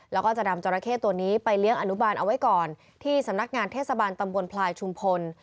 แล้วก็จะนำจราเข้ตัวนี้ไปเลี้ยงอนุบาลเอาไว้ก่อนที่สำนักงานเทศบาลตำบลพลายชุมพล